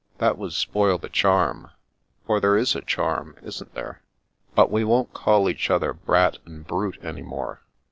" That would spoil the charm: for there is a charm, isn't there? But we won't call each other Brat and Brute any more.